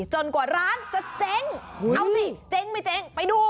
กว่าร้านจะเจ๊งเอาสิเจ๊งไม่เจ๊งไปดู